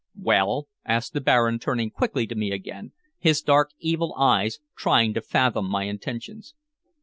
"Well?" asked the Baron, turning quickly to me again, his dark, evil eyes trying to fathom my intentions.